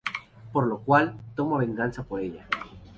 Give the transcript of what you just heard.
Por lo cual toma venganza por ella.